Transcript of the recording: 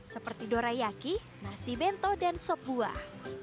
seperti dorayaki nasi bento dan sop buah